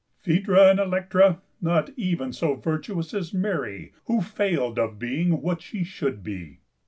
Phaedra and Elektra, not even so virtuous as Mary, who failed of being what she should be!